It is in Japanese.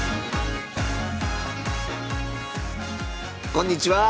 こんにちは。